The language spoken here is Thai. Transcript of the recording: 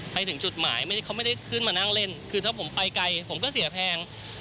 ไปถึงจุดหมายเขาไม่ได้ขึ้นมานั่งเล่นคือถ้าผมไปไกลผมก็เสียแพง